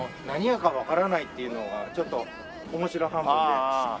何屋かわからないっていうのがちょっと面白半分で。